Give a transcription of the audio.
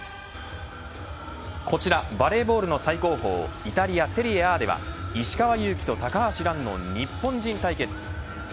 こちらバレーボールの最高峰イタリアセリエＡでは石川祐希と高橋藍の日本人対決。